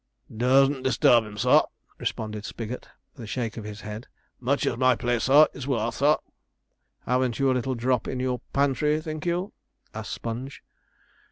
'Dursn't disturb him, sir,' responded Spigot, with a shake of his head; 'much as my place, sir, is worth, sir.' 'Haven't you a little drop in your pantry, think you?' asked Sponge.